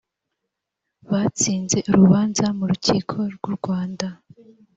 batsinze urubanza mu rukiko rw urwanda